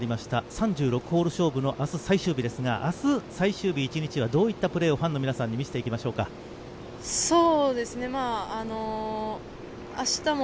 ３６ホール勝負の明日最終日ですが明日最終日１日はどういったプレーをファンの皆さんにそうですね